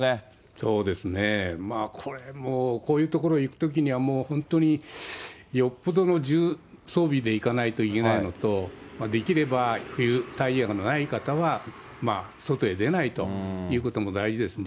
そうですね、まあこういう所行くときには、本当によっぽどの重装備で行かないといけないのと、できれば冬タイヤのない方は、外へ出ないということも大事ですね。